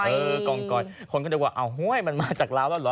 เออกองกอยคนก็จะบอกว่าอ้าวมันมาจากร้านแล้วเหรอ